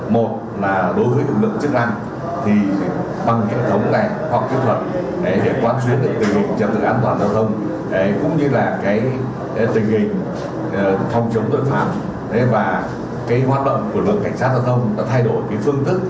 một là đối với lực lượng chức năng thì bằng kiểu thống này hoặc kỹ thuật